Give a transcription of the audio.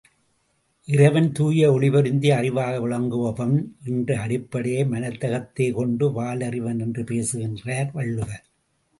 இறைவன் தூய ஒளிபொருந்திய அறிவாக விளங்குபவன் என்ற அடிப்படையை மனத்தகத்தேகொண்டு வாலறிவன் என்று பேசுகின்றார் வள்ளுவர்.